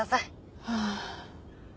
ああ。